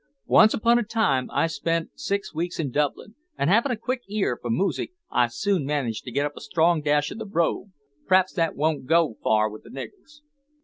Once upon a time I spent six weeks in Dublin, an' havin' a quick ear for moosic, I soon managed to get up a strong dash o' the brogue; but p'raps that wouldn't go far with the niggers."